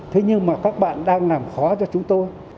thế nhưng mà các bạn đang làm khó cho chúng tôi